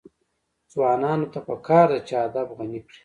ځوانانو ته پکار ده چې، ادب غني کړي.